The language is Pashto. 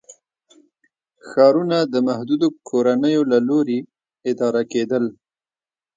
ښارونه د محدودو کورنیو له لوري اداره کېدل.